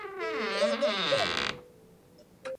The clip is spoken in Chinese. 会议经审议